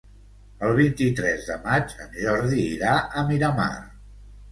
El vint-i-tres de maig en Jordi irà a Miramar.